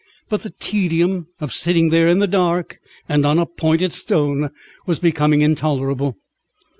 But the tedium of sitting there in the dark and on a pointed stone was becoming intolerable.